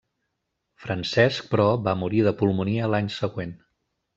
Francesc però, va morir de pulmonia l'any següent.